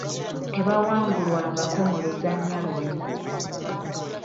Tebawangulwangako mu luzannya lwonna.